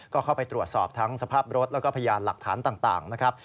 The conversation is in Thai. ก็เข้าไปตรวจสอบทั้งสภาพรถแล้วก็พยานหลักฐานต่างนะครับ